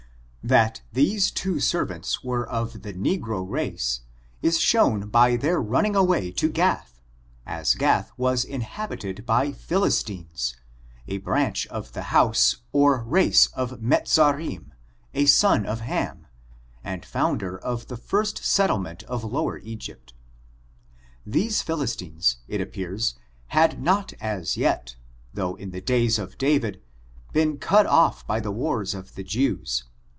That these two servants were of the negro race, is shown by their running away to Gath, as Gath was inhabited by Philistines, a branch of the house or race of Mezarim, a son of Ham, and founder of the first settlement of lower Egypt. These Philistines, it appears, had not as yet, though in the days of Da« vid, been cut off by the wars of the Jews.